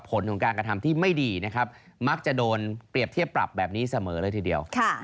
ผลของการกระทำที่ไม่ดีนะครับมักจะโดนเปรียบเทียบปรับแบบนี้เสมอเลยทีเดียว